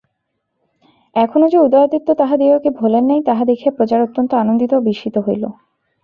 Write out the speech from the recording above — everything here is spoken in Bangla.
এখনো যে উদয়াদিত্য তাহাদিগকে ভোলেন নাই তাহা দেখিয়া প্রজারা অত্যন্ত আনন্দিত ও বিস্মিত হইল।